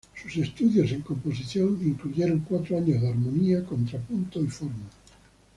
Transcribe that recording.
Sus estudios en composición incluyeron cuatro años de armonía, contrapunto y forma.